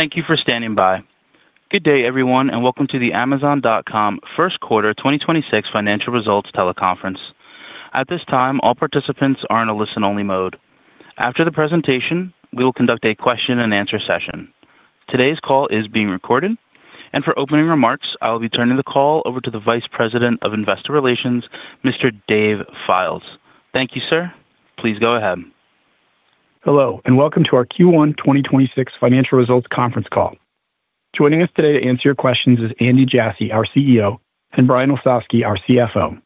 Thank you for standing by. Good day, everyone, welcome to the Amazon.com First Quarter 2026 financial results teleconference. At this time, all participants are in a listen-only mode. After the presentation, we will conduct a question and answer session. Today's call is being recorded. For opening remarks, I will be turning the call over to the Vice President of Investor Relations, Mr. Dave Fildes. Thank you, sir. Please go ahead. Hello, Welcome to our Q1 2026 financial results conference call. Joining us today to answer your questions is Andy Jassy, our Chief Executive Officer, and Brian Olsavsky, our Chief Financial Officer.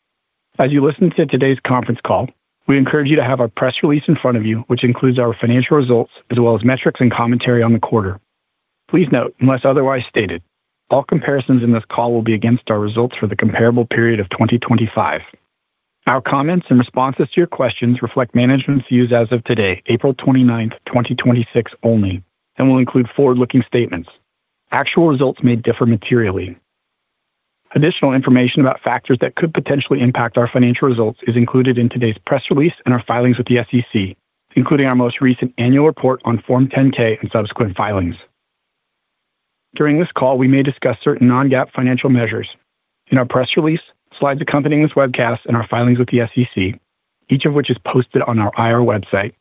As you listen to today's conference call, we encourage you to have our press release in front of you, which includes our financial results as well as metrics and commentary on the quarter. Please note, unless otherwise stated, all comparisons in this call will be against our results for the comparable period of 2025. Our comments and responses to your questions reflect management's views as of today, April 29th, 2026 only, and will include forward-looking statements. Actual results may differ materially. Additional information about factors that could potentially impact our financial results is included in today's press release and our filings with the SEC, including our most recent annual report on Form 10-K and subsequent filings. During this call, we may discuss certain non-GAAP financial measures. In our press release, slides accompanying this webcast and our filings with the SEC, each of which is posted on our IR website,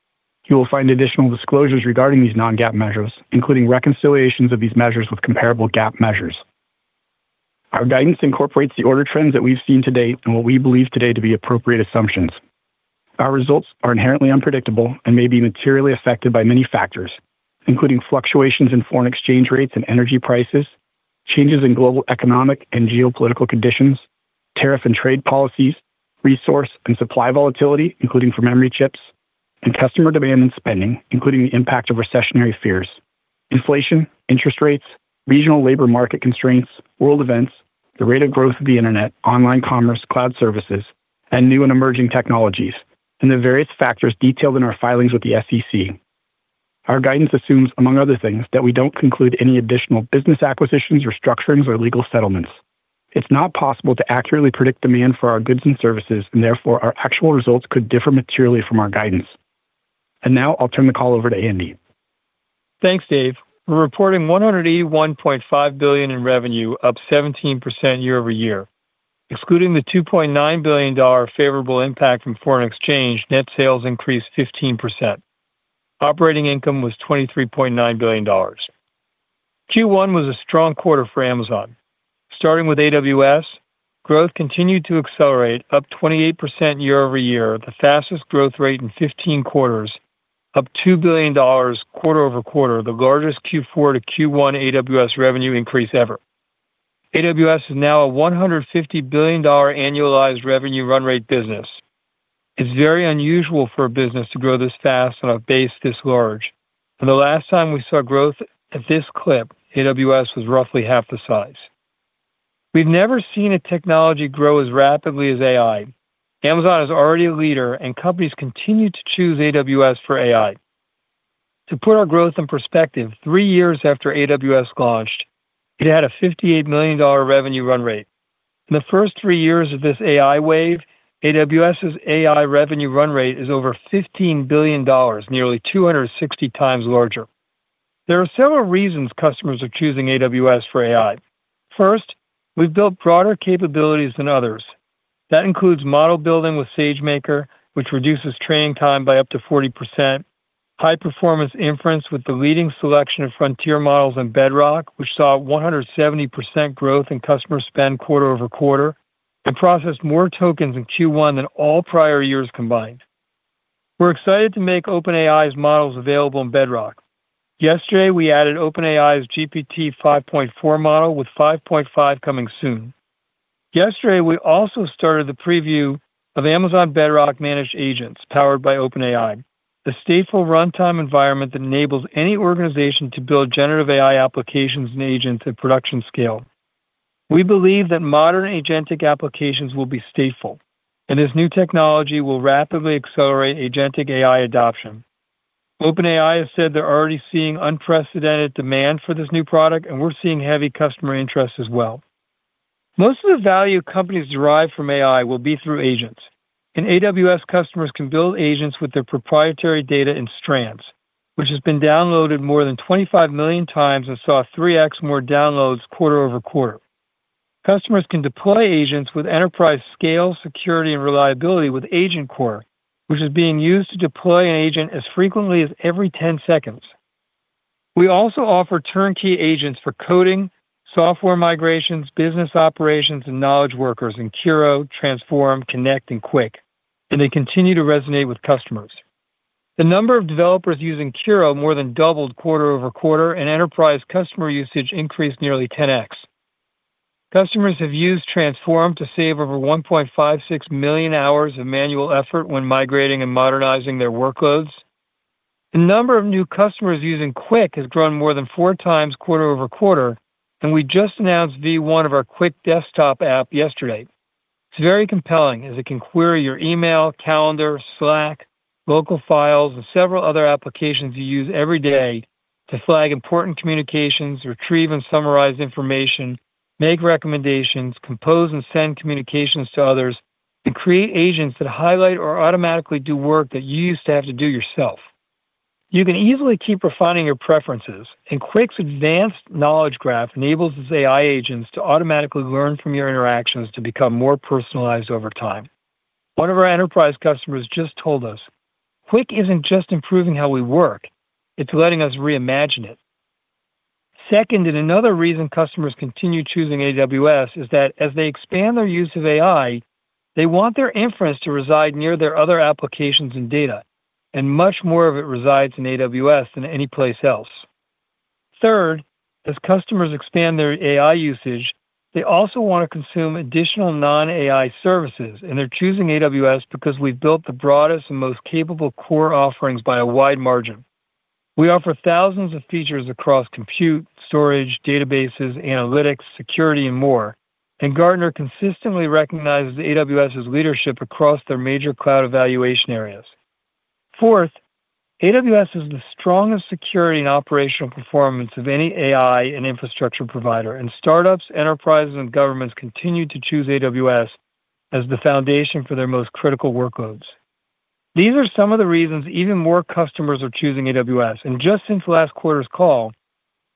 you will find additional disclosures regarding these non-GAAP measures, including reconciliations of these measures with comparable GAAP measures. Our guidance incorporates the order trends that we've seen to date and what we believe today to be appropriate assumptions. Our results are inherently unpredictable and may be materially affected by many factors, including fluctuations in foreign exchange rates and energy prices, changes in global economic and geopolitical conditions, tariff and trade policies, resource and supply volatility, including for memory chips, and customer demand and spending, including the impact of recessionary fears, inflation, interest rates, regional labor market constraints, world events, the rate of growth of the internet, online commerce, cloud services, and new and emerging technologies, and the various factors detailed in our filings with the SEC. Our guidance assumes, among other things, that we don't conclude any additional business acquisitions, restructurings, or legal settlements. It's not possible to accurately predict demand for our goods and services, and therefore, our actual results could differ materially from our guidance. Now I'll turn the call over to Andy. Thanks, Dave. We're reporting $181.5 billion in revenue, up 17% year-over-year. Excluding the $2.9 billion favorable impact from foreign exchange, net sales increased 15%. Operating income was $23.9 billion. Q1 was a strong quarter for Amazon. Starting with AWS, growth continued to accelerate, up 28% year-over-year, the fastest growth rate in 15 quarters, up $2 billion quarter-over-quarter, the largest Q4 to Q1 AWS revenue increase ever. AWS is now a $150 billion annualized revenue run rate business. It's very unusual for a business to grow this fast on a base this large. The last time we saw growth at this clip, AWS was roughly half the size. We've never seen a technology grow as rapidly as AI. Amazon is already a leader. Companies continue to choose AWS for AI. To put our growth in perspective, three years after AWS launched, it had a $58 million revenue run rate. In the first three years of this AI wave, AWS's AI revenue run rate is over $15 billion, nearly 260x larger. There are several reasons customers are choosing AWS for AI. First, we've built broader capabilities than others. That includes model building with SageMaker, which reduces training time by up to 40%, high-performance inference with the leading selection of frontier models in Bedrock, which saw 170% growth in customer spend quarter-over-quarter. It processed more tokens in Q1 than all prior years combined. We're excited to make OpenAI's models available in Bedrock. Yesterday, we added OpenAI's GPT 5.4 model, with 5.5 coming soon. Yesterday, we also started the preview of Amazon Bedrock Managed Agents, powered by OpenAI, the stateful runtime environment that enables any organization to build generative AI applications and agents at production scale. We believe that modern agentic applications will be stateful, and this new technology will rapidly accelerate agentic AI adoption. OpenAI has said they're already seeing unprecedented demand for this new product, and we're seeing heavy customer interest as well. Most of the value companies derive from AI will be through agents, and AWS customers can build agents with their proprietary data in Strands, which has been downloaded more than 25 million times and saw 3x more downloads quarter-over-quarter. Customers can deploy agents with enterprise scale, security, and reliability with AgentCore, which is being used to deploy an agent as frequently as every 10 seconds. We also offer turnkey agents for coding, software migrations, business operations, and knowledge workers in Amazon Q, AWS Transform, Amazon Connect, and Amazon Quick. They continue to resonate with customers. The number of developers using Amazon Q more than doubled quarter-over-quarter, and enterprise customer usage increased nearly 10x. Customers have used AWS Transform to save over 1.56 million hours of manual effort when migrating and modernizing their workloads. The number of new customers using Amazon Quick has grown more than 4x quarter-over-quarter, and we just announced V1 of our Amazon Quick desktop app yesterday. It's very compelling, as it can query your email, calendar, Slack, local files, and several other applications you use every day to flag important communications, retrieve and summarize information, make recommendations, compose and send communications to others to create agents that highlight or automatically do work that you used to have to do yourself. You can easily keep refining your preferences. Quake's advanced knowledge graph enables its AI agents to automatically learn from your interactions to become more personalized over time. One of our enterprise customers just told us, "Quake isn't just improving how we work, it's letting us reimagine it." Second, another reason customers continue choosing AWS, is that as they expand their use of AI, they want their inference to reside near their other applications and data, and much more of it resides in AWS than any place else. Third, as customers expand their AI usage, they also want to consume additional non-AI services. They're choosing AWS because we've built the broadest and most capable core offerings by a wide margin. We offer thousands of features across compute, storage, databases, analytics, security, and more. Gartner consistently recognizes AWS's leadership across their major cloud evaluation areas. Fourth, AWS has the strongest security and operational performance of any AI and infrastructure provider, and startups, enterprises, and governments continue to choose AWS as the foundation for their most critical workloads. These are some of the reasons even more customers are choosing AWS. Just since last quarter's call,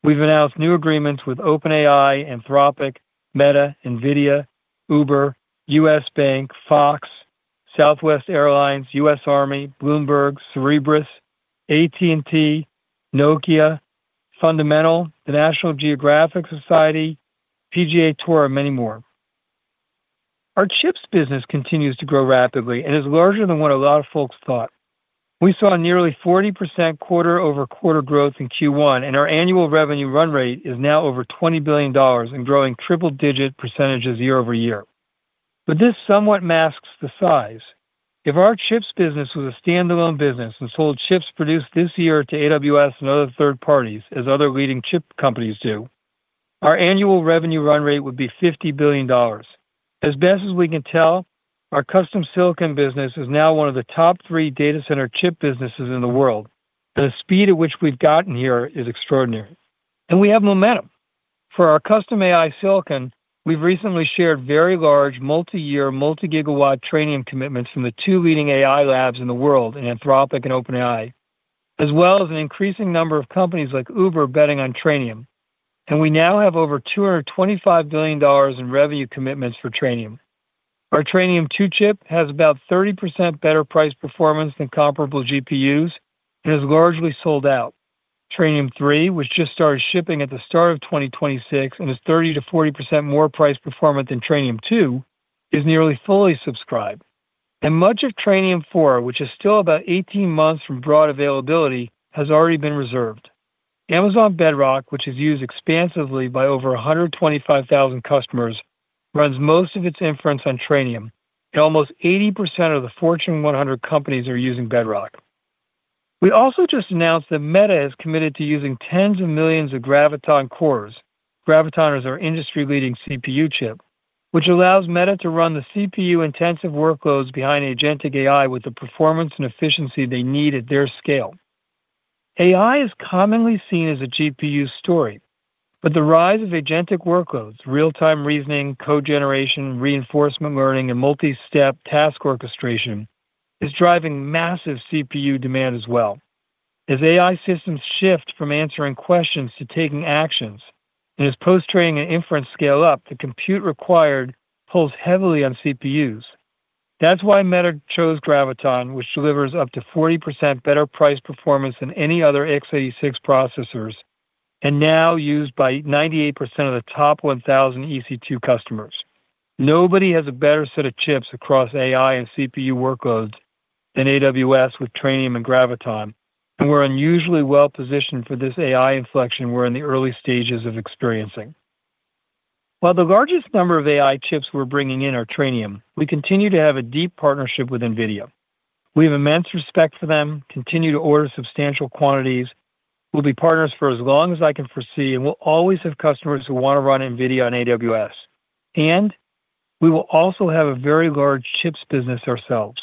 we've announced new agreements with OpenAI, Anthropic, Meta, NVIDIA, Uber, U.S. Bank, Fox, Southwest Airlines, U.S. Army, Bloomberg, Cerebras, AT&T, Nokia, Fundamental, the National Geographic Society, PGA Tour, and many more. Our chips business continues to grow rapidly and is larger than what a lot of folks thought. We saw nearly 40% quarter-over-quarter growth in Q1, and our annual revenue run rate is now over $20 billion and growing triple-digit percentages year-over-year. This somewhat masks the size. If our chips business was a standalone business and sold chips produced this year to AWS and other third parties, as other leading chip companies do, our annual revenue run rate would be $50 billion. As best as we can tell, our custom silicon business is now one of the top three data center chip businesses in the world, the speed at which we've gotten here is extraordinary. We have momentum. For our custom AI silicon, we've recently shared very large multi-year, multi-gigawatt training commitments from the two leading AI labs in the world, Anthropic and OpenAI, as well as an increasing number of companies like Uber betting on Trainium. We now have over $225 billion in revenue commitments for Trainium. Our Trainium2 chip has about 30% better price performance than comparable GPUs and is largely sold out. Trainium3, which just started shipping at the start of 2026 and is 30%-40% more price performant than Trainium2, is nearly fully subscribed. Much of Trainium4, which is still about 18 months from broad availability, has already been reserved. Amazon Bedrock, which is used expansively by over 125,000 customers, runs most of its inference on Trainium, and almost 80% of the Fortune 100 companies are using Bedrock. We also just announced that Meta is committed to using tens of millions of Graviton cores. Graviton is our industry-leading CPU chip, which allows Meta to run the CPU-intensive workloads behind agentic AI with the performance and efficiency they need at their scale. AI is commonly seen as a GPU story, but the rise of agentic workloads, real-time reasoning, code generation, reinforcement learning, and multi-step task orchestration is driving massive CPU demand as well. As AI systems shift from answering questions to taking actions, and as post-training and inference scale up, the compute required pulls heavily on CPUs. That's why Meta chose Graviton, which delivers up to 40% better price performance than any other 86 processors, and now used by 98% of the top 1,000 EC2 customers. Nobody has a better set of chips across AI and CPU workloads than AWS with Trainium and Graviton, and we're unusually well-positioned for this AI inflection we're in the early stages of experiencing. While the largest number of AI chips we're bringing in are Trainium, we continue to have a deep partnership with NVIDIA. We have immense respect for them, continue to order substantial quantities, we'll be partners for as long as I can foresee, and we will always have customers who want to run NVIDIA on AWS. We will also have a very large chips business ourselves.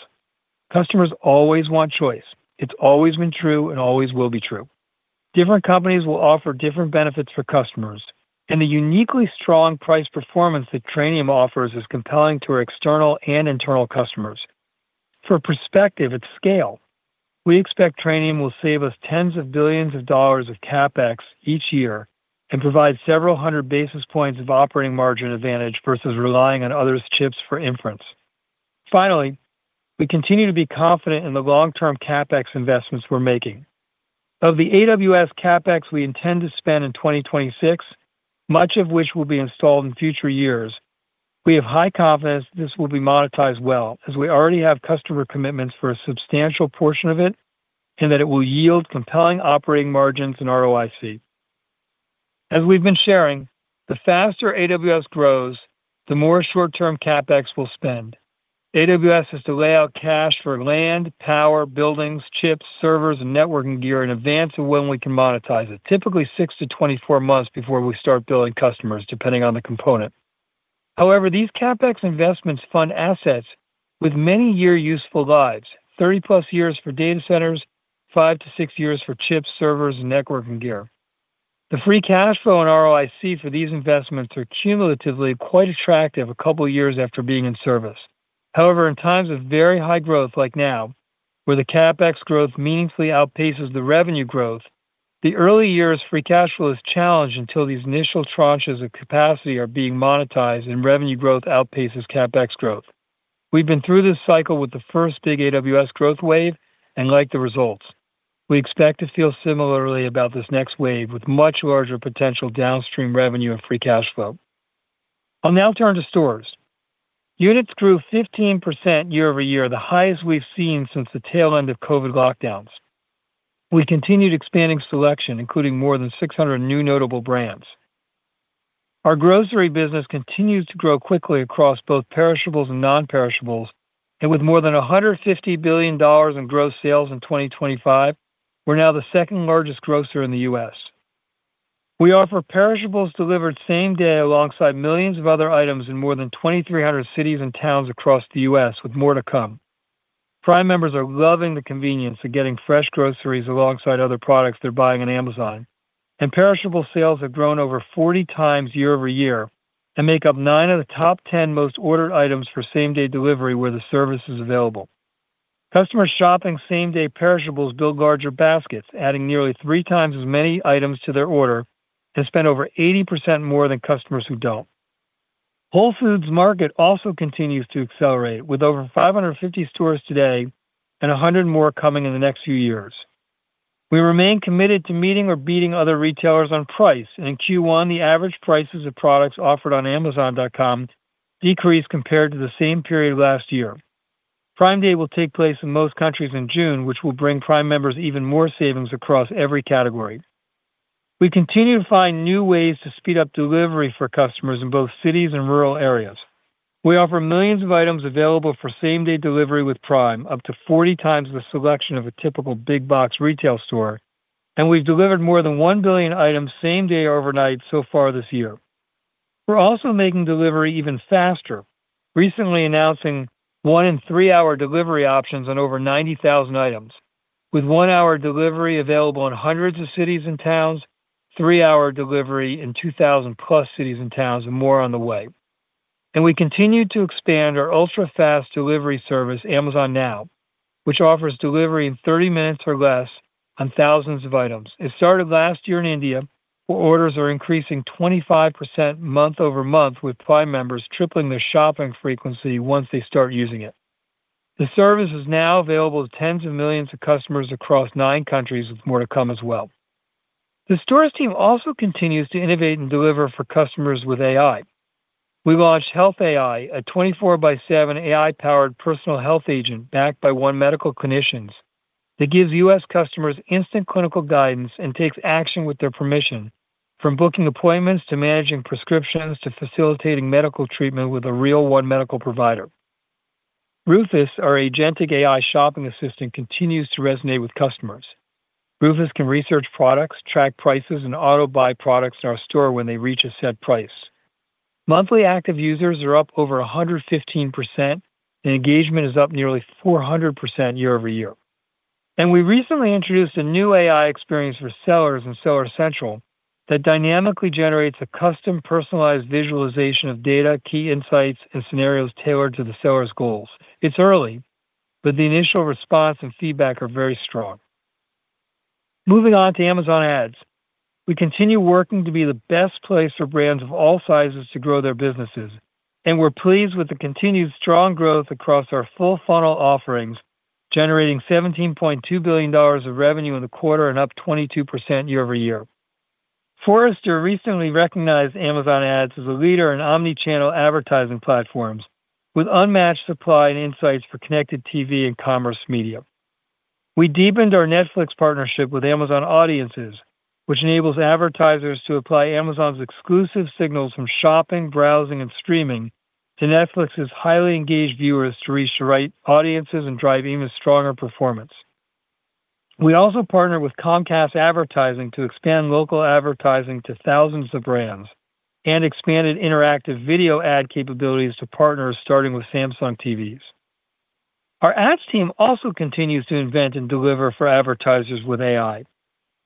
Customers always want choice. It's always been true and always will be true. Different companies will offer different benefits for customers, and the uniquely strong price performance that Trainium offers is compelling to our external and internal customers. For perspective, it's scale. We expect Trainium will save us tens of billions of dollars of CapEx each year and provide several hundred basis points of operating margin advantage versus relying on others' chips for inference. Finally, we continue to be confident in the long-term CapEx investments we're making. Of the AWS CapEx we intend to spend in 2026, much of which will be installed in future years, we have high confidence this will be monetized well, as we already have customer commitments for a substantial portion of it, and that it will yield compelling operating margins and ROIC. As we've been sharing, the faster AWS grows, the more short-term CapEx we'll spend. AWS has to lay out cash for land, power, buildings, chips, servers, and networking gear in advance of when we can monetize it, typically six to 24 months before we start billing customers, depending on the component. However, these CapEx investments fund assets with many year useful lives, 30+ years for data centers, five to six years for chips, servers, and networking gear. The free cash flow and ROIC for these investments are cumulatively quite attractive a couple years after being in service. However, in times of very high growth like now, where the CapEx growth meaningfully outpaces the revenue growth, the early years free cash flow is challenged until these initial tranches of capacity are being monetized and revenue growth outpaces CapEx growth. We've been through this cycle with the first big AWS growth wave and like the results. We expect to feel similarly about this next wave with much larger potential downstream revenue and free cash flow. I'll now turn to stores. Units grew 15% year-over-year, the highest we've seen since the tail end of COVID lockdowns. We continued expanding selection, including more than 600 new notable brands. Our grocery business continues to grow quickly across both perishables and non-perishables. With more than $150 billion in gross sales in 2025, we're now the second-largest grocer in the U.S. We offer perishables delivered same-day alongside millions of other items in more than 2,300 cities and towns across the U.S., with more to come. Prime members are loving the convenience of getting fresh groceries alongside other products they're buying on Amazon. Perishable sales have grown over 40x year-over-year and make up nine of the top 10 most ordered items for same-day delivery where the service is available. Customer shopping same-day perishables build larger baskets, adding nearly three times as many items to their order, and spend over 80% more than customers who don't. Whole Foods Market also continues to accelerate, with over 550 stores today and 100 more coming in the next few years. We remain committed to meeting or beating other retailers on price. In Q1, the average prices of products offered on amazon.com decreased compared to the same period last year. Prime Day will take place in most countries in June, which will bring Prime members even more savings across every category. We continue to find new ways to speed up delivery for customers in both cities and rural areas. We offer millions of items available for same-day delivery with Prime, up to 40 times the selection of a typical big box retail store, and we've delivered more than 1 billion items same day overnight so far this year. We're also making delivery even faster, recently announcing one- and three-hour delivery options on over 90,000 items, with one-hour delivery available in hundreds of cities and towns, three-hour delivery in 2,000+ cities and towns, and more on the way. We continue to expand our ultra-fast delivery service, Amazon Now, which offers delivery in 30 minutes or less on thousands of items. It started last year in India, where orders are increasing 25% month-over-month, with Prime members tripling their shopping frequency once they start using it. The service is now available to tens of millions of customers across nine countries, with more to come as well. The stores team also continues to innovate and deliver for customers with AI. We launched Health AI, a 24/7 AI-powered personal health agent backed by One Medical clinicians that gives U.S. customers instant clinical guidance and takes action with their permission, from booking appointments to managing prescriptions to facilitating medical treatment with a real One Medical provider. Rufus, our agentic AI shopping assistant, continues to resonate with customers. Rufus can research products, track prices, and auto-buy products in our store when they reach a set price. Monthly active users are up over 115%. Engagement is up nearly 400% year-over-year. We recently introduced a new AI experience for sellers in Seller Central that dynamically generates a custom personalized visualization of data, key insights, and scenarios tailored to the seller's goals. It's early, but the initial response and feedback are very strong. Moving on to Amazon Ads. We continue working to be the best place for brands of all sizes to grow their businesses. We're pleased with the continued strong growth across our full funnel offerings, generating $17.2 billion of revenue in the quarter and up 22% year-over-year. Forrester recently recognized Amazon Ads as a leader in omni-channel advertising platforms with unmatched supply and insights for connected TV and commerce media. We deepened our Netflix partnership with Amazon Audiences, which enables advertisers to apply Amazon's exclusive signals from shopping, browsing, and streaming to Netflix's highly engaged viewers to reach the right audiences and drive even stronger performance. We also partnered with Comcast Advertising to expand local advertising to thousands of brands and expanded interactive video ad capabilities to partners starting with Samsung TVs. Our ads team also continues to invent and deliver for advertisers with AI.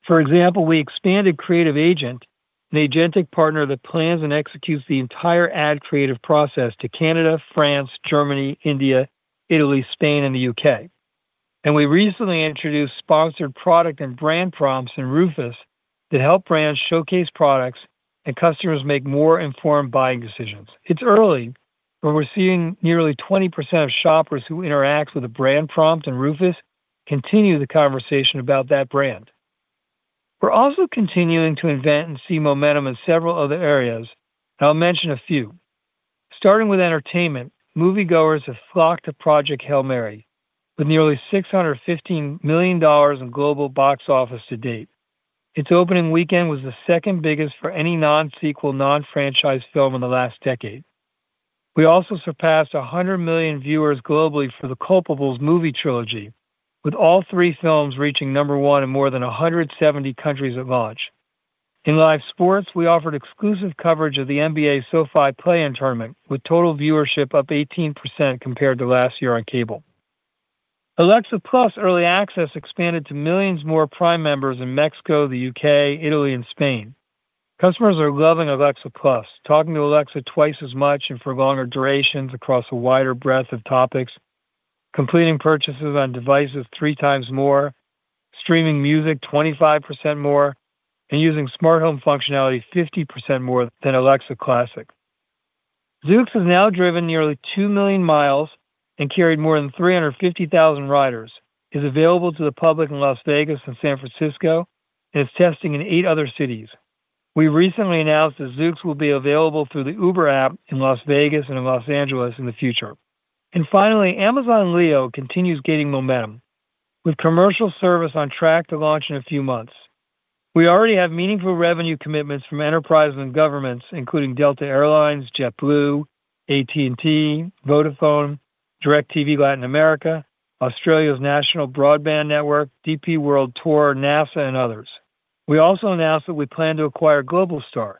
For example, we expanded Creative Agent, an agentic partner that plans and executes the entire ad creative process, to Canada, France, Germany, India, Italy, Spain, and the U.K. We recently introduced sponsored product and brand prompts in Rufus that help brands showcase products and customers make more informed buying decisions. It's early, but we're seeing nearly 20% of shoppers who interact with a brand prompt in Rufus continue the conversation about that brand. We're also continuing to invent and see momentum in several other areas, and I'll mention a few. Starting with entertainment, moviegoers have flocked to Project Hail Mary with nearly $615 million in global box office to date. Its opening weekend was the second biggest for any non-sequel, non-franchise film in the last decade. We also surpassed 100 million viewers globally for the Culpables movie trilogy, with all three films reaching number one in more than 170 countries at launch. In live sports, we offered exclusive coverage of the NBA SoFi Play-In Tournament, with total viewership up 18% compared to last year on cable. Alexa+ early access expanded to millions more Prime members in Mexico, the U.K., Italy, and Spain. Customers are loving Alexa+, talking to Alexa twice as much and for longer durations across a wider breadth of topics, completing purchases on devices three times more, streaming music 25% more, and using smart home functionality 50% more than Alexa. Zoox has now driven nearly 2 million mi and carried more than 350,000 riders. It's available to the public in Las Vegas and San Francisco. It's testing in eight other cities. We recently announced that Zoox will be available through the Uber app in Las Vegas and in Los Angeles in the future. Finally, Amazon Leo continues gaining momentum. With commercial service on track to launch in a few months, we already have meaningful revenue commitments from enterprise and governments, including Delta Air Lines, JetBlue, AT&T, Vodafone, DirecTV Latin America, Australia's National Broadband Network, DP World Tour, NASA, and others. We also announced that we plan to acquire Globalstar,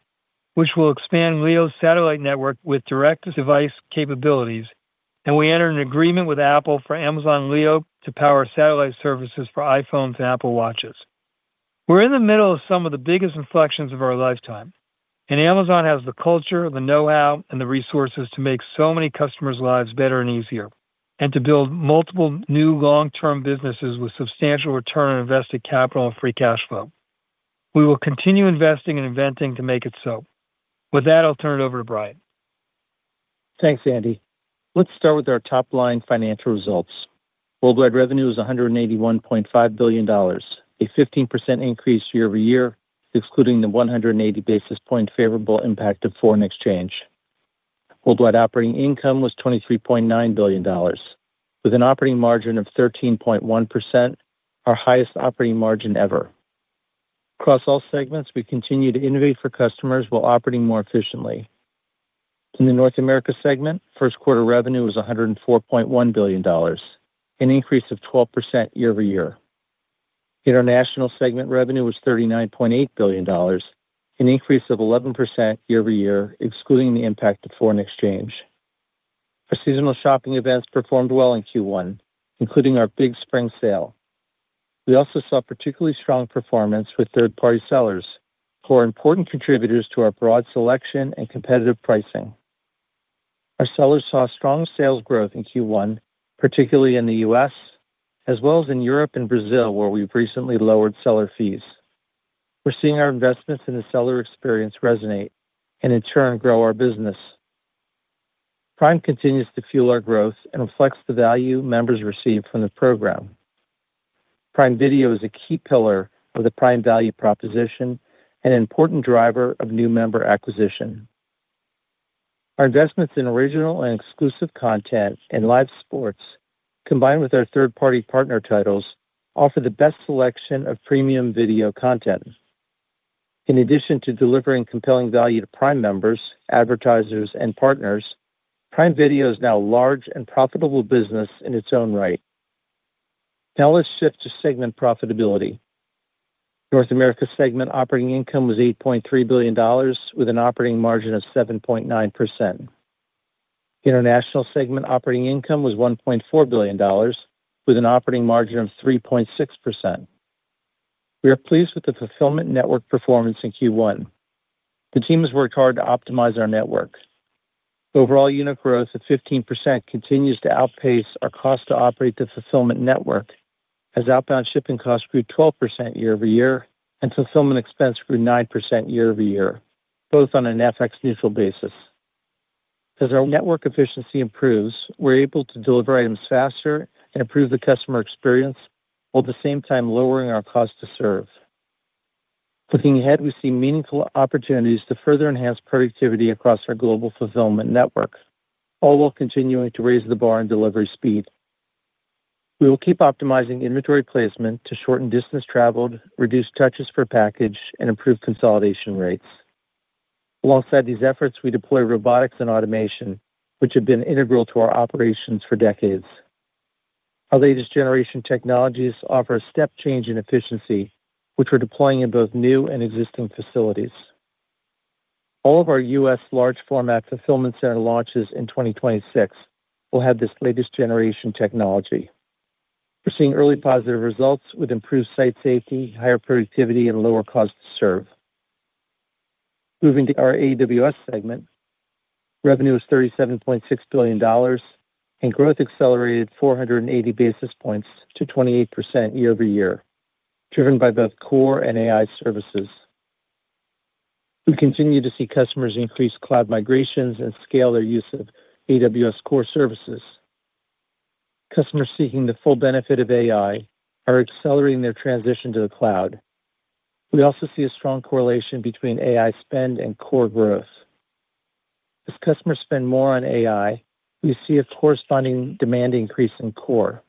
which will expand Leo's satellite network with direct-to-device capabilities, and we entered an agreement with Apple for Amazon Leo to power satellite services for iPhones and Apple Watches. We're in the middle of some of the biggest inflections of our lifetime, and Amazon has the culture, the know-how, and the resources to make so many customers' lives better and easier, and to build multiple new long-term businesses with substantial return on invested capital and free cash flow. We will continue investing and inventing to make it so. With that, I'll turn it over to Brian. Thanks, Andy. Let's start with our top-line financial results. Worldwide revenue is $181.5 billion, a 15% increase year-over-year, excluding the 180 basis points favorable impact of foreign exchange. Worldwide operating income was $23.9 billion with an operating margin of 13.1%, our highest operating margin ever. Across all segments, we continue to innovate for customers while operating more efficiently. In the North America segment, first quarter revenue was $104.1 billion, an increase of 12% year-over-year. International segment revenue was $39.8 billion, an increase of 11% year-over-year, excluding the impact of foreign exchange. Our seasonal shopping events performed well in Q1, including our big spring sale. We also saw particularly strong performance with third-party sellers, who are important contributors to our broad selection and competitive pricing. Our sellers saw strong sales growth in Q1, particularly in the U.S, as well as in Europe and Brazil, where we've recently lowered seller fees. We're seeing our investments in the seller experience resonate and, in turn, grow our business. Prime continues to fuel our growth and reflects the value members receive from the program. Prime Video is a key pillar of the Prime value proposition, an important driver of new member acquisition. Our investments in original and exclusive content and live sports, combined with our third-party partner titles, offer the best selection of premium video content. In addition to delivering compelling value to Prime members, advertisers, and partners, Prime Video is now a large and profitable business in its own right. Let's shift to segment profitability. North America segment operating income was $8.3 billion with an operating margin of 7.9%. International segment operating income was $1.4 billion with an operating margin of 3.6%. We are pleased with the fulfillment network performance in Q1. The team has worked hard to optimize our network. Overall unit growth at 15% continues to outpace our cost to operate the fulfillment network as outbound shipping costs grew 12% year-over-year and fulfillment expense grew 9% year-over-year, both on an FX neutral basis. As our network efficiency improves, we're able to deliver items faster and improve the customer experience, while at the same time lowering our cost to serve. Looking ahead, we see meaningful opportunities to further enhance productivity across our global fulfillment network, all while continuing to raise the bar in delivery speed. We will keep optimizing inventory placement to shorten distance traveled, reduce touches per package, and improve consolidation rates. Alongside these efforts, we deploy robotics and automation, which have been integral to our operations for decades. Our latest generation technologies offer a step change in efficiency, which we're deploying in both new and existing facilities. All of our U.S. large format fulfillment center launches in 2026 will have this latest generation technology. We're seeing early positive results with improved site safety, higher productivity, and lower cost to serve. Moving to our AWS segment, revenue is $37.6 billion and growth accelerated 480 basis points to 28% year-over-year, driven by both core and AI services. We continue to see customers increase cloud migrations and scale their use of AWS core services. Customers seeking the full benefit of AI are accelerating their transition to the cloud. We also see a strong correlation between AI spend and core growth. As customers spend more on AI, we see a corresponding demand increase in core.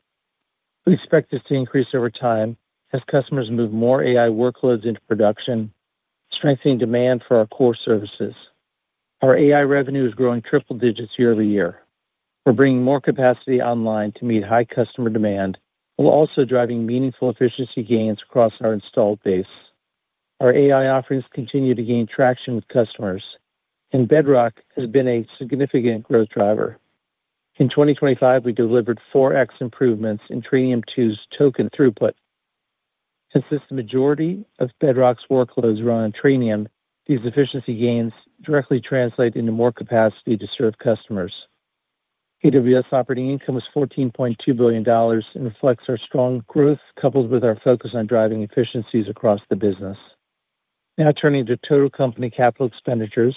We expect this to increase over time as customers move more AI workloads into production, strengthening demand for our core services. Our AI revenue is growing triple digits year-over-year. We're bringing more capacity online to meet high customer demand while also driving meaningful efficiency gains across our installed base. Our AI offerings continue to gain traction with customers, and Bedrock has been a significant growth driver. In 2025, we delivered 4x improvements in Trainium 2's token throughput. Since the majority of Bedrock's workloads run on Trainium, these efficiency gains directly translate into more capacity to serve customers. AWS operating income was $14.2 billion and reflects our strong growth coupled with our focus on driving efficiencies across the business. Turning to total company capital expenditures.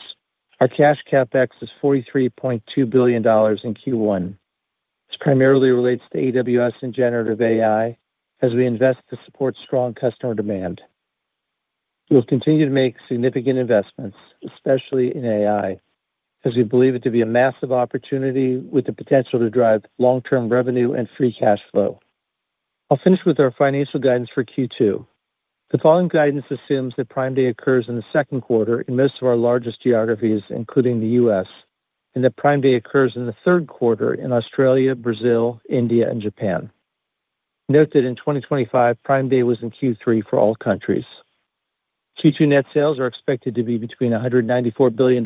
Our cash CapEx is $43.2 billion in Q1. This primarily relates to AWS and generative AI as we invest to support strong customer demand. We'll continue to make significant investments, especially in AI, as we believe it to be a massive opportunity with the potential to drive long-term revenue and free cash flow. I'll finish with our financial guidance for Q2. The following guidance assumes that Prime Day occurs in the second quarter in most of our largest geographies, including the U.S., and that Prime Day occurs in the third quarter in Australia, Brazil, India and Japan. Note that in 2025, Prime Day was in Q3 for all countries. Q2 net sales are expected to be between $194 billion and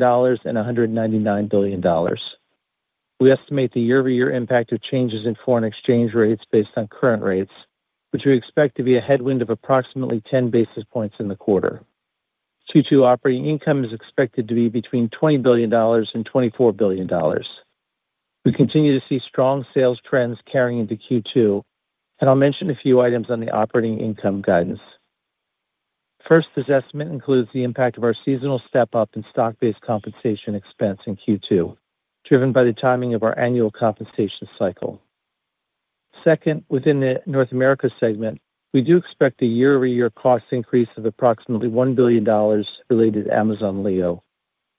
$199 billion. We estimate the year-over-year impact of changes in foreign exchange rates based on current rates, which we expect to be a headwind of approximately 10 basis points in the quarter. Q2 operating income is expected to be between $20 billion and $24 billion. We continue to see strong sales trends carrying into Q2, and I'll mention a few items on the operating income guidance. First, this estimate includes the impact of our seasonal step-up in stock-based compensation expense in Q2, driven by the timing of our annual compensation cycle. Second, within the North America segment, we do expect a year-over-year cost increase of approximately $1 billion related to Amazon Leo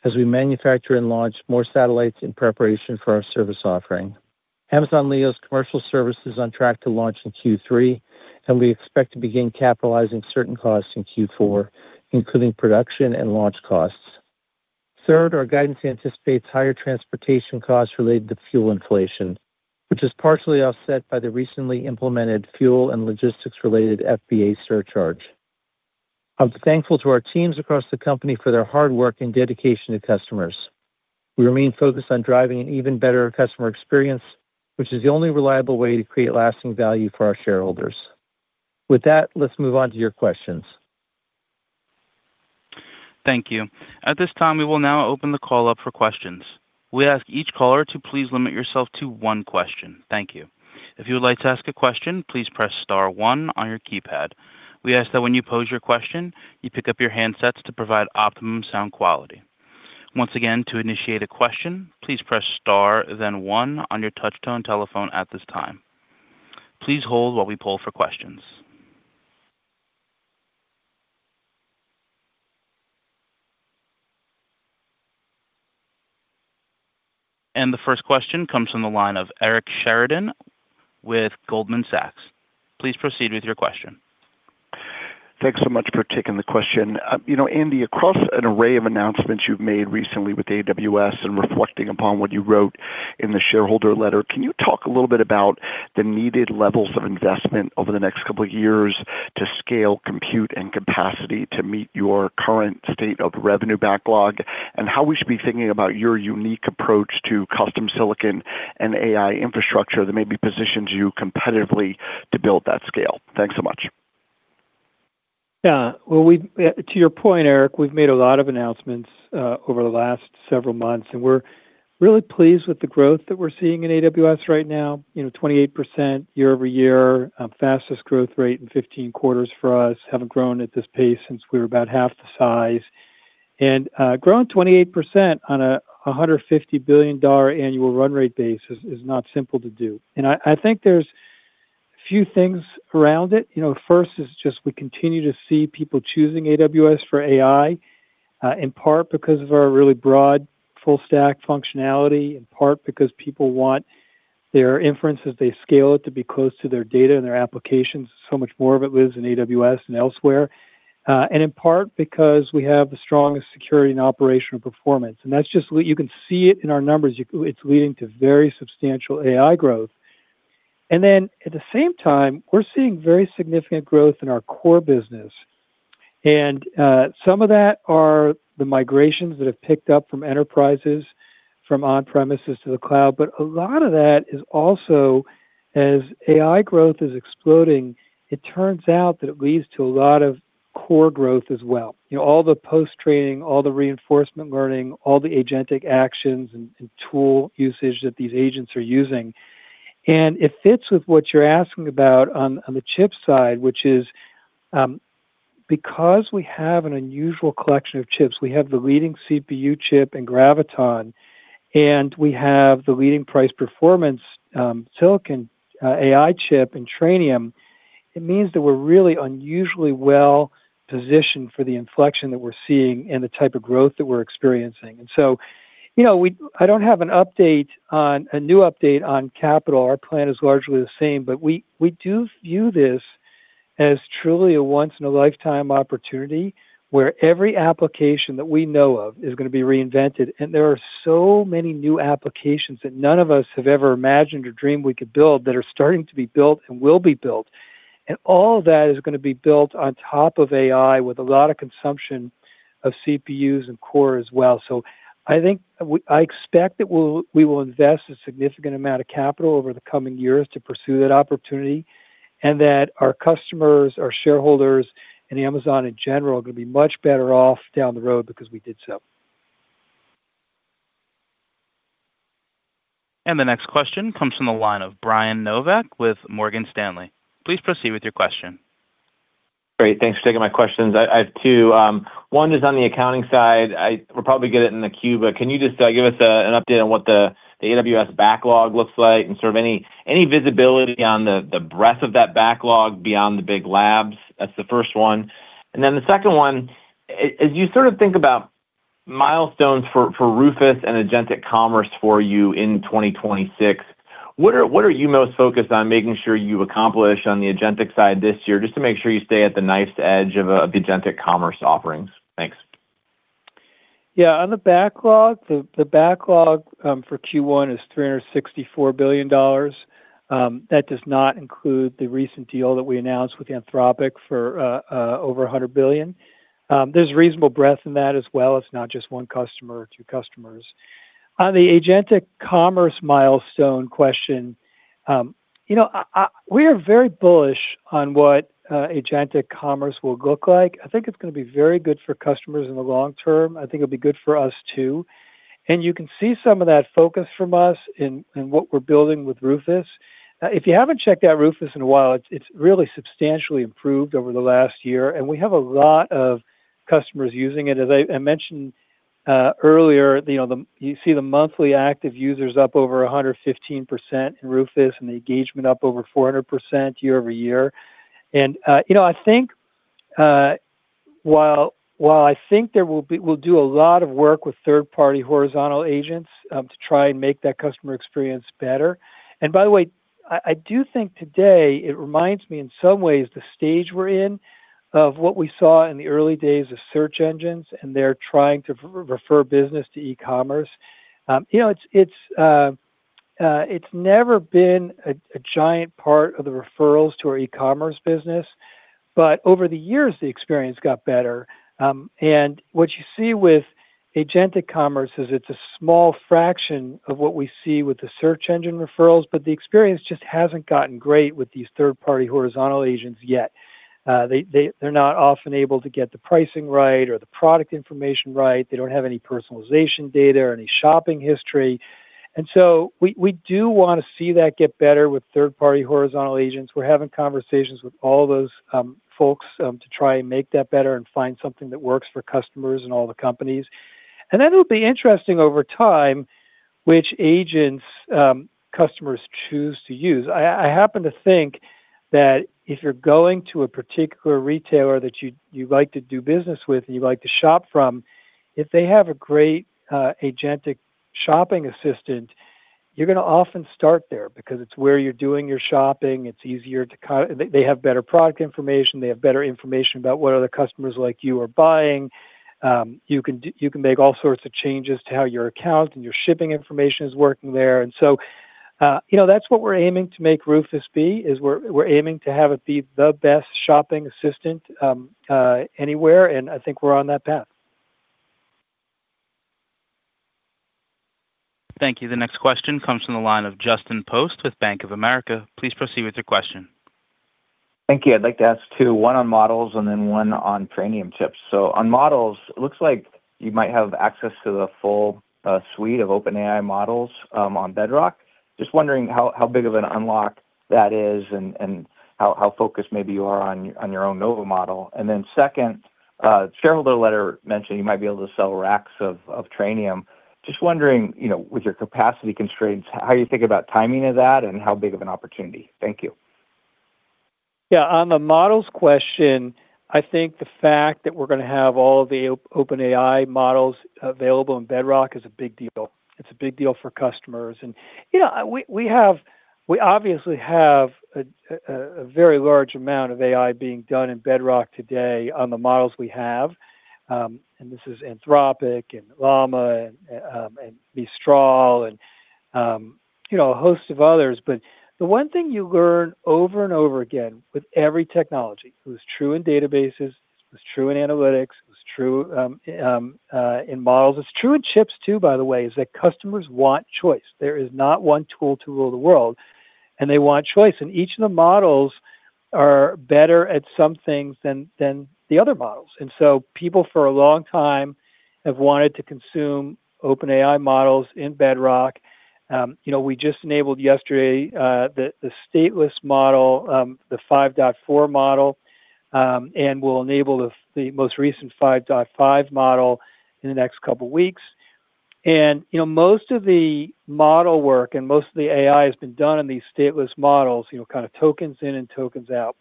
as we manufacture and launch more satellites in preparation for our service offering. Amazon Leo's commercial service is on track to launch in Q3, and we expect to begin capitalizing certain costs in Q4, including production and launch costs. Third, our guidance anticipates higher transportation costs related to fuel inflation, which is partially offset by the recently implemented fuel and logistics-related FBA surcharge. I'm thankful to our teams across the company for their hard work and dedication to customers. We remain focused on driving an even better customer experience, which is the only reliable way to create lasting value for our shareholders. With that, let's move on to your questions. Thank you. At this time, we will now open the call up for questions. We ask each caller to please limit yourself to one question. Thank you. If you would like to ask a question, please press star one on your keypad. We ask that when you pose your question, you pick up your handsets to provide optimum sound quality. Once again, to initiate a question, please press star then one on your touch tone telephone at this time. Please hold while we poll for questions. The first question comes from the line of Eric Sheridan with Goldman Sachs. Please proceed with your question. Thanks so much for taking the question. You know, Andy, across an array of announcements you've made recently with AWS and reflecting upon what you wrote in the shareholder letter, can you talk a little bit about the needed levels of investment over the next couple of years to scale, compute, and capacity to meet your current state of revenue backlog and how we should be thinking about your unique approach to custom silicon and AI infrastructure that maybe positions you competitively to build that scale? Thanks so much. Yeah. Well to your point, Eric, we've made a lot of announcements over the last several months, and we're really pleased with the growth that we're seeing in AWS right now. You know, 28% year-over-year, fastest growth rate in 15 quarters for us. Haven't grown at this pace since we were about half the size. Growing 28% on a $150 billion annual run rate basis is not simple to do. I think there's a few things around it. You know, first is just we continue to see people choosing AWS for AI in part because of our really broad full stack functionality, in part because people want their inferences, they scale it to be close to their data and their applications. Much more of it lives in AWS than elsewhere. In part because we have the strongest security and operational performance. You can see it in our numbers. It's leading to very substantial AI growth. At the same time, we're seeing very significant growth in our core business. Some of that are the migrations that have picked up from enterprises, from on-premises to the cloud. A lot of that is also, as AI growth is exploding, it turns out that it leads to a lot of core growth as well. You know, all the post-training, all the reinforcement learning, all the agentic actions and tool usage that these agents are using. It fits with what you're asking about on the chip side, which is, because we have an unusual collection of chips, we have the leading CPU chip in Graviton, and we have the leading price performance, silicon, AI chip in Trainium, it means that we're really unusually well-positioned for the inflection that we're seeing and the type of growth that we're experiencing. You know, I don't have a new update on capital. Our plan is largely the same. We do view this as truly a once in a lifetime opportunity, where every application that we know of is gonna be reinvented. There are so many new applications that none of us have ever imagined or dreamed we could build that are starting to be built and will be built. All that is gonna be built on top of AI with a lot of consumption of CPUs and core as well. I expect that we will invest a significant amount of capital over the coming years to pursue that opportunity, and that our customers, our shareholders, and Amazon in general are gonna be much better off down the road because we did so. The next question comes from the line of Brian Nowak with Morgan Stanley. Please proceed with your question. Great. Thanks for taking my questions. I have two. One is on the accounting side. We'll probably get it in the queue, but can you just give us an update on what the AWS backlog looks like and sort of any visibility on the breadth of that backlog beyond the big labs? That's the first one. The second one, as you sort of think about milestones for Rufus and agentic commerce for you in 2026, what are you most focused on making sure you accomplish on the agentic side this year, just to make sure you stay at the nice edge of the agentic commerce offerings? Thanks. Yeah. On the backlog, the backlog, for Q1 is $364 billion. That does not include the recent deal that we announced with Anthropic for over $100 billion. There's reasonable breadth in that as well. It's not just one customer or two customers. On the agentic commerce milestone question, you know, we are very bullish on what agentic commerce will look like. I think it's gonna be very good for customers in the long term. I think it'll be good for us too. You can see some of that focus from us in what we're building with Rufus. If you haven't checked out Rufus in a while, it really substantially improved over the last year, and we have a lot of customers using it. As I mentioned earlier, you know, you see the monthly active users up over 115% in Rufus and the engagement up over 400% year-over-year. You know, I think, while I think there will be, we'll do a lot of work with third-party horizontal agents to try and make that customer experience better. By the way, I do think today it reminds me in some ways the stage we're in of what we saw in the early days of search engines, and they're trying to refer business to e-commerce. You know, it's never been a giant part of the referrals to our e-commerce business. Over the years, the experience got better. What you see with agentic commerce is it's a small fraction of what we see with the search engine referrals, but the experience just hasn't gotten great with these third-party horizontal agents yet. They're not often able to get the pricing right or the product information right. They don't have any personalization data or any shopping history. We do wanna see that get better with third-party horizontal agents. We're having conversations with all those folks to try and make that better and find something that works for customers and all the companies. It'll be interesting over time which agents customers choose to use. I happen to think that if you're going to a particular retailer that you like to do business with and you like to shop from, if they have a great agentic shopping assistant, you're gonna often start there because it's where you're doing your shopping. They have better product information. They have better information about what other customers like you are buying. You can make all sorts of changes to how your account and your shipping information is working there. You know, that's what we're aiming to make Rufus be, is we're aiming to have it be the best shopping assistant anywhere, and I think we're on that path. Thank you. The next question comes from the line of Justin Post with Bank of America. Please proceed with your question. Thank you. I'd like to ask two, one on models and then one on training tips. On models, it looks like you might have access to the full suite of OpenAI models on Bedrock. Just wondering how big of an unlock that is and how focused maybe you are on your own Nova model. Second, shareholder letter mentioned you might be able to sell racks of Trainium. Just wondering, you know, with your capacity constraints, how you think about timing of that and how big of an opportunity. Thank you. Yeah. On the models question, I think the fact that we're gonna have all the OpenAI models available in Bedrock is a big deal. It's a big deal for customers. You know, we have, we obviously have a very large amount of AI being done in Bedrock today on the models we have, and this is Anthropic and Llama and Mistral and, you know, a host of others. The one thing you learn over and over again with every technology, it was true in databases, it was true in analytics, it was true in models. It's true in chips too, by the way, is that customers want choice. There is not one tool to rule the world, and they want choice. Each of the models are better at some things than the other models. People for a long time have wanted to consume OpenAI models in Bedrock. You know, we just enabled yesterday, the stateless model, the 5.4 model, and we'll enable the most recent 5.5 model in the next couple weeks. You know, most of the model work and most of the AI has been done in these stateless models, you know, kind of tokens in and tokens out.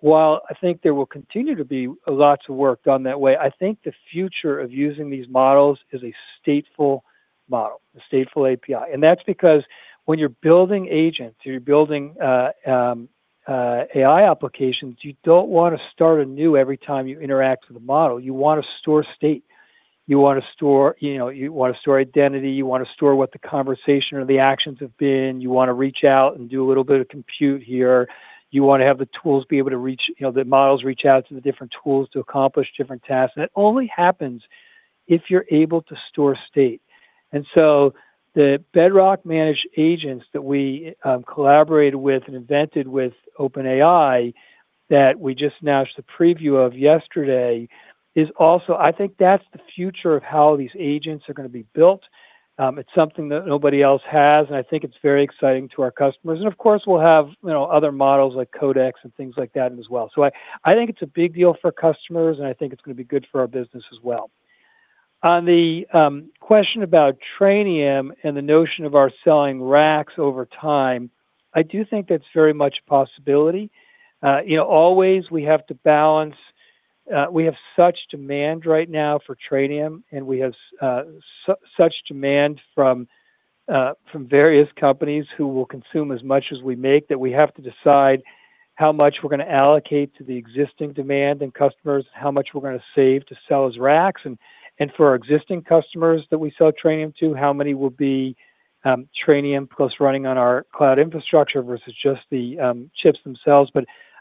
While I think there will continue to be a lot to work done that way, I think the future of using these models is a stateful model, a stateful API. That's because when you're building agents, you're building AI applications, you don't wanna start anew every time you interact with the model. You wanna store state, you wanna store, you know, you wanna store identity, you wanna store what the conversation or the actions have been, you wanna reach out and do a little bit of compute here, you wanna have the tools be able to reach, you know, the models reach out to the different tools to accomplish different tasks. It only happens if you're able to store state. The Bedrock Managed Agents that we collaborated with and invented with OpenAI that we just announced a preview of yesterday is also. I think that's the future of how these agents are gonna be built. It's something that nobody else has, and I think it's very exciting to our customers. Of course, we'll have, you know, other models like Codex and things like that as well. I think it's a big deal for customers, and I think it's gonna be good for our business as well. On the question about Trainium and the notion of our selling racks over time, I do think that's very much a possibility. You know, always we have to balance, we have such demand right now for Trainium, and we have such demand from various companies who will consume as much as we make, that we have to decide how much we're gonna allocate to the existing demand and customers, how much we're gonna save to sell as racks, and for our existing customers that we sell Trainium to, how many will be Trainium plus running on our cloud infrastructure versus just the chips themselves.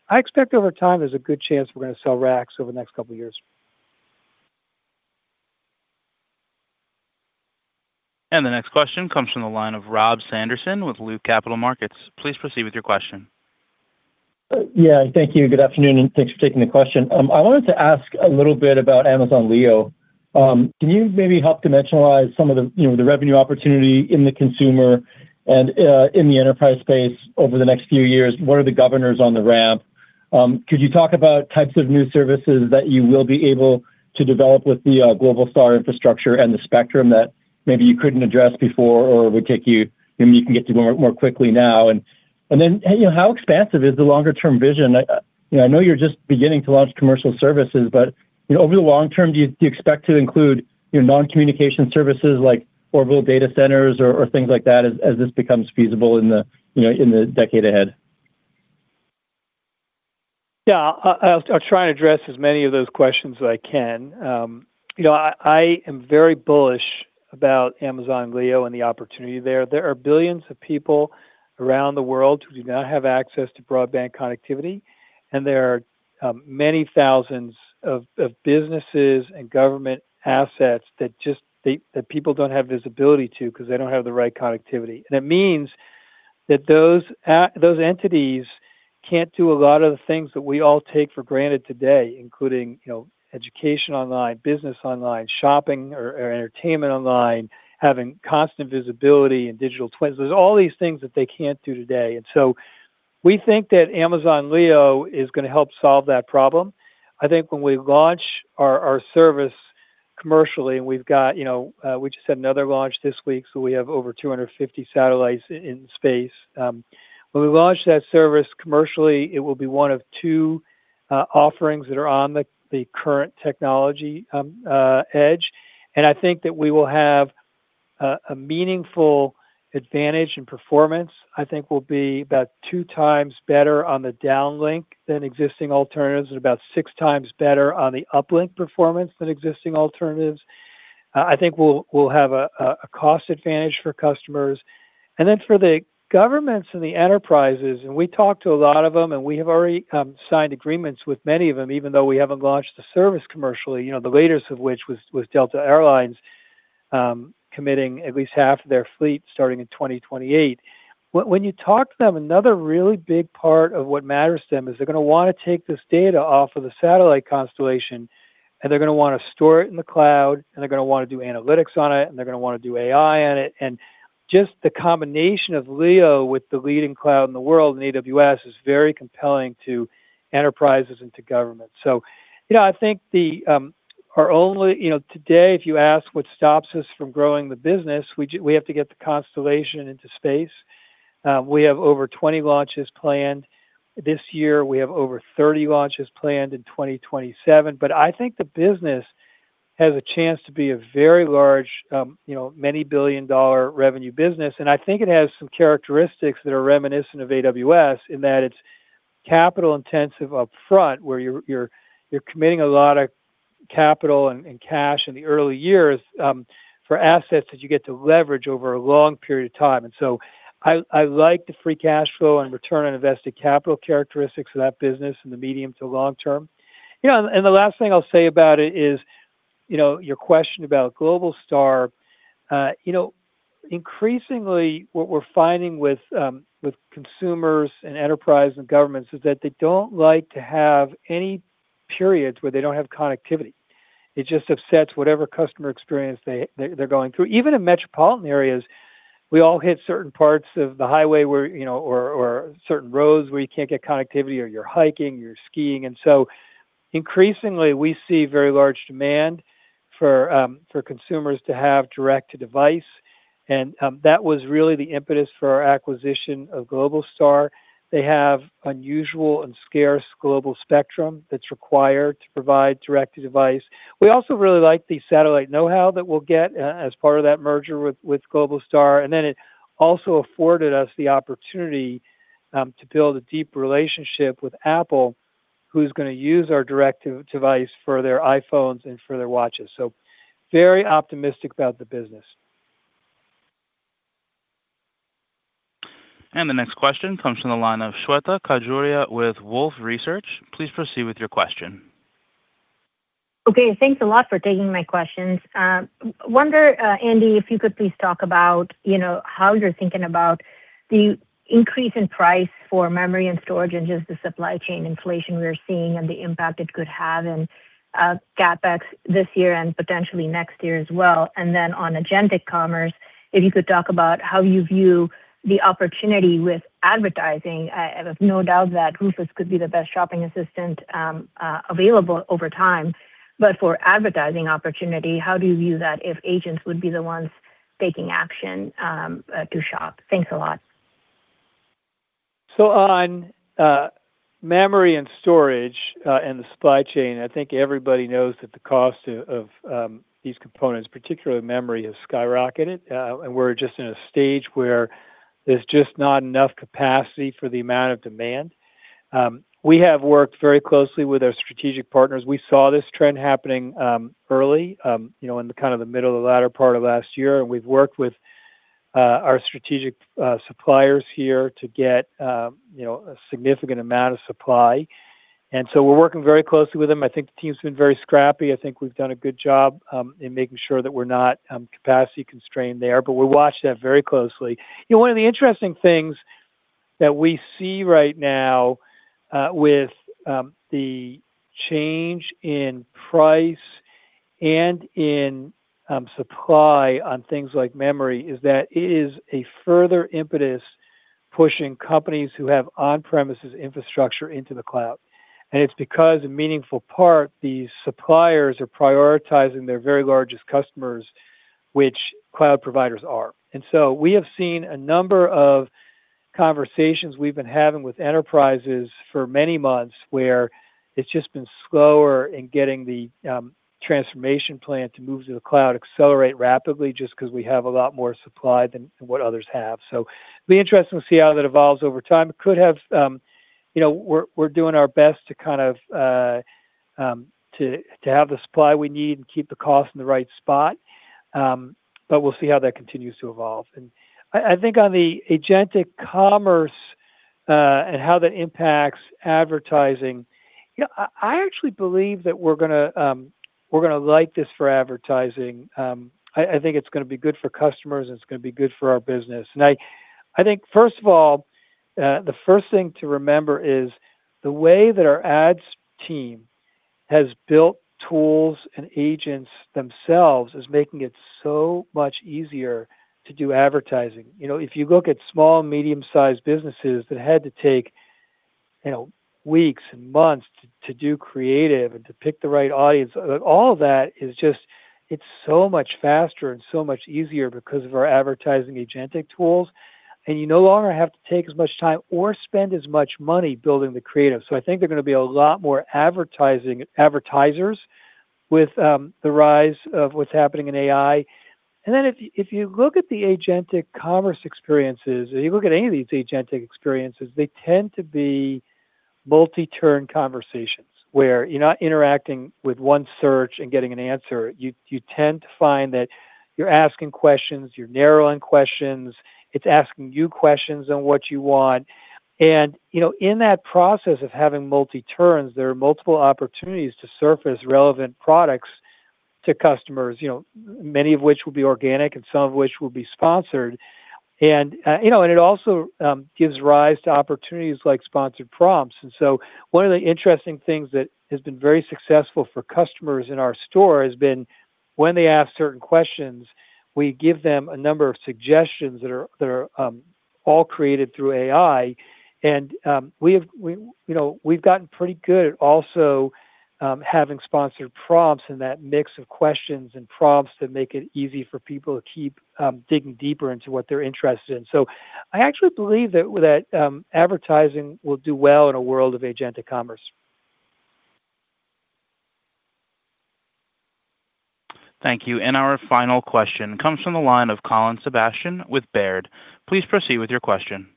I expect over time there's a good chance we're gonna sell racks over the next couple years. The next question comes from the line of Rob Sanderson with Loop Capital Markets. Please proceed with your question. Yeah. Thank you. Good afternoon, and thanks for taking the question. I wanted to ask a little bit about Amazon Leo. Can you maybe help dimensionalize some of the, you know, the revenue opportunity in the consumer and in the enterprise space over the next few years? What are the governors on the ramp? Could you talk about types of new services that you will be able to develop with the Globalstar infrastructure and the spectrum that maybe you couldn't address before or would take you know, you can get to more, more quickly now? Then, you know, how expansive is the longer term vision? You know, I know you're just beginning to launch commercial services, but, you know, over the long term, do you expect to include your non-communication services like orbital data centers or things like that as this becomes feasible in the decade ahead? Yeah. I'll try and address as many of those questions as I can. You know, I am very bullish about Amazon Leo and the opportunity there. There are billions of people around the world who do not have access to broadband connectivity, and there are many thousands of businesses and government assets that people don't have visibility to because they don't have the right connectivity. It means that those entities can't do a lot of the things that we all take for granted today, including, you know, education online, business online, shopping or entertainment online, having constant visibility and digital twins. There's all these things that they can't do today. We think that Amazon Leo is gonna help solve that problem. I think when we launch our service commercially, and we've got, you know, we just had another launch this week, so we have over 250 satellites in space. When we launch that service commercially, it will be one of two offerings that are on the current technology edge, and I think that we will have a meaningful advantage in performance. I think we'll be about 2x better on the downlink than existing alternatives and about 6x better on the uplink performance than existing alternatives. I think we'll have a cost advantage for customers. For the governments and the enterprises, and we talk to a lot of them, and we have already signed agreements with many of them, even though we haven't launched the service commercially, you know, the latest of which was Delta Air Lines committing at least half of their fleet starting in 2028. When you talk to them, another really big part of what matters to them is they're gonna wanna take this data off of the satellite constellation, and they're gonna wanna store it in the cloud, and they're gonna wanna do analytics on it, and they're gonna wanna do AI on it. Just the combination of Leo with the leading cloud in the world in AWS is very compelling to enterprises and to governments. You know, I think the our only you know, today, if you ask what stops us from growing the business, we have to get the constellation into space. We have over 20 launches planned this year. We have over 30 launches planned in 2027. I think the business has a chance to be a very large, you know, many billion-dollar revenue business, and I think it has some characteristics that are reminiscent of AWS in that it's capital intensive upfront, where you're committing a lot of capital and cash in the early years for assets that you get to leverage over a long period of time. I like the free cash flow and return on invested capital characteristics of that business in the medium to long term. You know, the last thing I'll say about it is, you know, your question about Globalstar. You know, increasingly, what we're finding with consumers and enterprise and governments is that they don't like to have any periods where they don't have connectivity. It just upsets whatever customer experience they're going through. Even in metropolitan areas, we all hit certain parts of the highway where, you know, or certain roads where you can't get connectivity or you're hiking, you're skiing. Increasingly, we see very large demand for consumers to have direct-to-device, and that was really the impetus for our acquisition of Globalstar. They have unusual and scarce global spectrum that's required to provide direct-to-device. We also really like the satellite know-how that we'll get as part of that merger with Globalstar. It also afforded us the opportunity to build a deep relationship with Apple. Who's gonna use our directive device for their iPhones and for their watches. Very optimistic about the business. The next question comes from the line of Shweta Khajuria with Wolfe Research. Please proceed with your question. Okay. Thanks a lot for taking my questions. Wonder, Andy, if you could please talk about, you know, how you're thinking about the increase in price for memory and storage and just the supply chain inflation we're seeing and the impact it could have in CapEx this year and potentially next year as well. On agentic commerce, if you could talk about how you view the opportunity with advertising. I have no doubt that Rufus could be the best shopping assistant available over time. For advertising opportunity, how do you view that if agents would be the ones taking action to shop? Thanks a lot. On memory and storage, and the supply chain, I think everybody knows that the cost of these components, particularly memory, has skyrocketed. We're just in a stage where there's just not enough capacity for the amount of demand. We have worked very closely with our strategic partners. We saw this trend happening early, you know, in the kind of the middle of the latter part of last year. We've worked with our strategic suppliers here to get, you know, a significant amount of supply. We're working very closely with them. I think the team's been very scrappy. I think we've done a good job in making sure that we're not capacity constrained there. We watch that very closely. You know, one of the interesting things that we see right now, with the change in price and in supply on things like memory is that it is a further impetus pushing companies who have on-premises infrastructure into the cloud. It's because in meaningful part, these suppliers are prioritizing their very largest customers, which cloud providers are. We have seen a number of conversations we've been having with enterprises for many months, where it's just been slower in getting the transformation plan to move to the cloud accelerate rapidly, just 'cause we have a lot more supply than what others have. It'll be interesting to see how that evolves over time. It could have, you know, we're doing our best to kind of have the supply we need and keep the cost in the right spot. We'll see how that continues to evolve. I think on the agentic commerce and how that impacts advertising, you know, I actually believe that we're gonna we're gonna like this for advertising. I think it's gonna be good for customers, and it's gonna be good for our business. I think first of all, the first thing to remember is the way that our Ads team has built tools and agents themselves is making it so much easier to do advertising. You know, if you look at small, medium-sized businesses that had to take, you know, weeks and months to do creative and to pick the right audience, all that is just, it's so much faster and so much easier because of our advertising agentic tools. You no longer have to take as much time or spend as much money building the creative. I think they're gonna be a lot more advertisers with the rise of what's happening in AI. If you look at the agentic commerce experiences, or you look at any of these agentic experiences, they tend to be multi-turn conversations, where you're not interacting with one search and getting an answer. You tend to find that you're asking questions, you're narrowing questions, it's asking you questions on what you want. You know in that process of having multi-turns, there are multiple opportunities to surface relevant products to customers, you know, many of which will be organic and some of which will be sponsored. You know, it also gives rise to opportunities like sponsored prompts. One of the interesting things that has been very successful for customers in our store has been when they ask certain questions, we give them a number of suggestions that are, all created through AI. You know, we've gotten pretty good at also having sponsored prompts and that mix of questions and prompts that make it easy for people to keep digging deeper into what they're interested in. I actually believe that, advertising will do well in a world of agentic commerce. Thank you. Our final question comes from the line of Colin Sebastian with Baird. Please proceed with your question.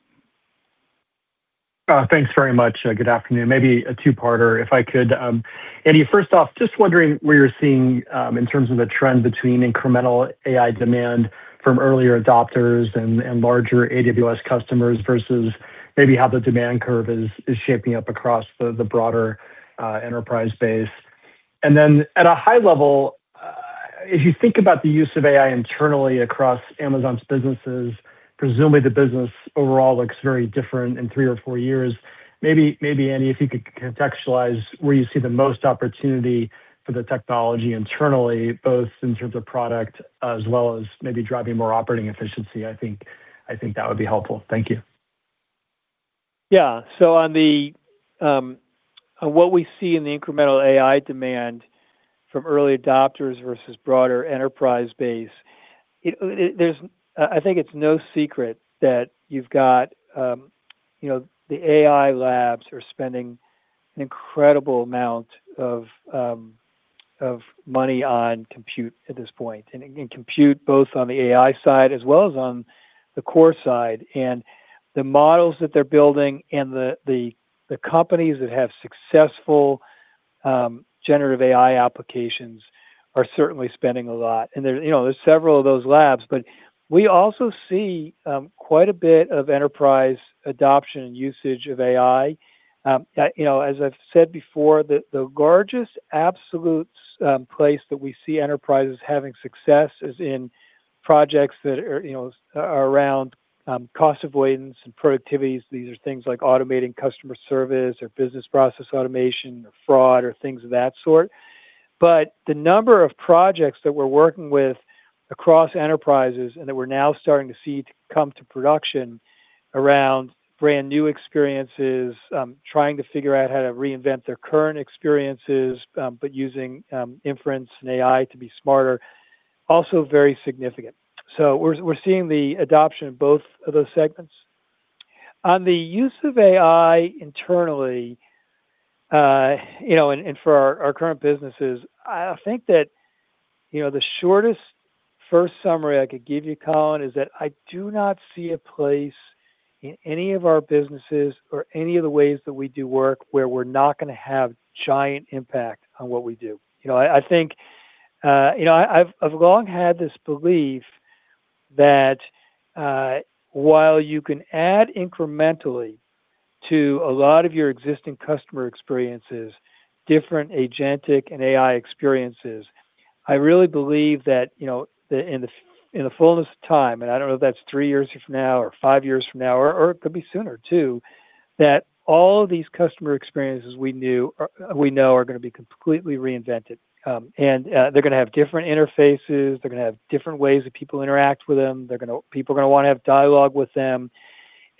Thanks very much. Good afternoon. Maybe a two-parter, if I could. Andy, first off, just wondering what you're seeing in terms of a trend between incremental AI demand from earlier adopters and larger AWS customers versus maybe how the demand curve is shaping up across the broader enterprise base. Then at a high level, if you think about the use of AI internally across Amazon's businesses, presumably the business overall looks very different in three or four years. Maybe, Andy, if you could contextualize where you see the most opportunity for the technology internally, both in terms of product as well as maybe driving more operating efficiency. I think that would be helpful. Thank you. Yeah. On what we see in the incremental AI demand from early adopters versus broader enterprise base, it there's, I think it's no secret that you've got, you know, the AI labs are spending an incredible amount of money on compute at this point, and compute both on the AI side as well as on the core side. The models that they're building and the companies that have successful generative AI applications are certainly spending a lot. There you know, there's several of those labs. We also see quite a bit of enterprise adoption and usage of AI. You know, as I've said before, the largest absolute place that we see enterprises having success is in projects that are, you know, are around cost avoidance and productivities. These are things like automating customer service or business process automation or fraud or things of that sort. The number of projects that we're working with across enterprises and that we're now starting to see to come to production around brand-new experiences, trying to figure out how to reinvent their current experiences, but using inference and AI to be smarter, also very significant. We're seeing the adoption of both of those segments. On the use of AI internally, you know, and for our current businesses, I think that you know, the shortest first summary I could give you, Colin, is that I do not see a place in any of our businesses or any of the ways that we do work where we're not gonna have giant impact on what we do. You know, I've long had this belief that, while you can add incrementally to a lot of your existing customer experiences, different agentic and AI experiences, I really believe that you know, that in the fullness of time, and I don't know if that's three years from now or five years from now, or it could be sooner too, that all of these customer experiences we knew, we know are gonna be completely reinvented. They're gonna have different interfaces, they're gonna have different ways that people interact with them. People are gonna wanna have dialogue with them.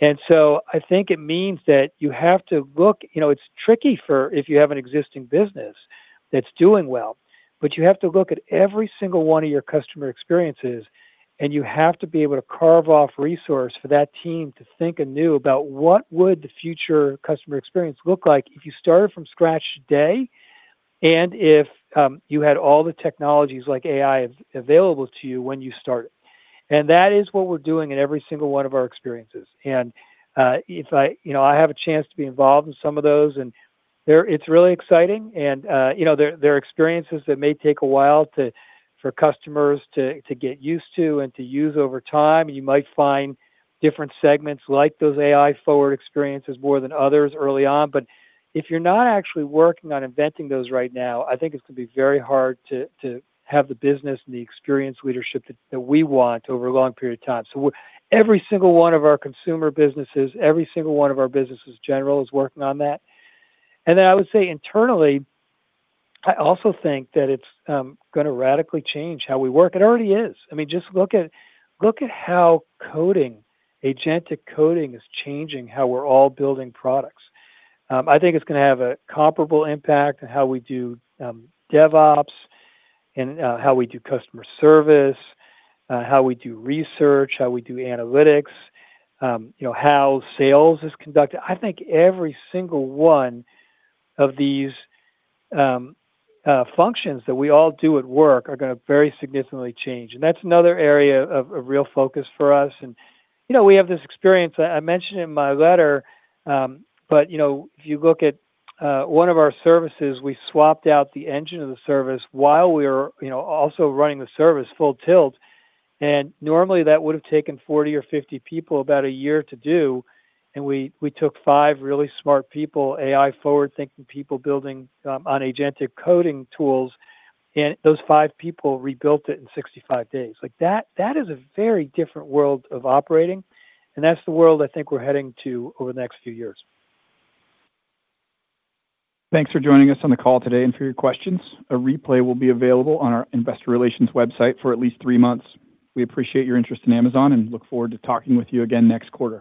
I think it means that you have to look. You know, it's tricky for if you have an existing business that's doing well, but you have to look at every single one of your customer experiences, and you have to be able to carve off resource for that team to think anew about what would the future customer experience look like if you started from scratch today, and if you had all the technologies like AI available to you when you started. That is what we're doing in every single one of our experiences. You know, I have a chance to be involved in some of those, it's really exciting. You know, there are experiences that may take a while for customers to get used to and to use over time. You might find different segments like those AI forward experiences more than others early on. If you're not actually working on inventing those right now, I think it's gonna be very hard to have the business and the experience leadership that we want over a long period of time. Every single one of our consumer businesses, every single one of our businesses general is working on that. I would say internally, I also think that it's gonna radically change how we work. It already is. I mean just look at how coding, agentic coding is changing how we're all building products. I think it's gonna have a comparable impact on how we do DevOps and how we do customer service, how we do research, how we do analytics, you know, how sales is conducted. I think every single one of these functions that we all do at work are gonna very significantly change, and that's another area of real focus for us. You know, we have this experience, I mentioned in my letter, but you know, if you look at one of our services, we swapped out the engine of the service while we were, you know, also running the service full tilt. Normally that would've taken 40 or 50 people about 1 year to do, and we took five really smart people, AI forward-thinking people building on agentic coding tools, and those five people rebuilt it in 65 days. Like that is a very different world of operating, and that's the world I think we're heading to over the next few years. Thanks for joining us on the call today and for your questions. A replay will be available on our investor relations website for at least three months. We appreciate your interest in Amazon, and look forward to talking with you again next quarter.